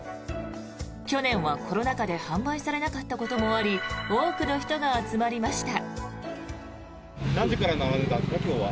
去年はコロナ禍で販売されなかったこともあり多くの人が集まりました。